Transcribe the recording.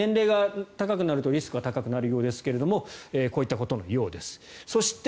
やはり年齢が高くなるとリスクが高くなるようですがこういったことのようです。